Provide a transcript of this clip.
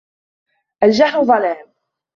الجهل ضلام